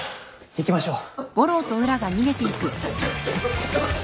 行きましょう。